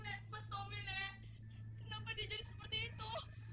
nek kenapa mas tommy nek kenapa dia jadi seperti itu